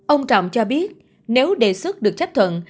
ông trọng cho biết nếu đề xuất được chấp thuận